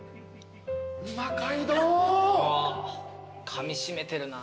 かみしめてるな。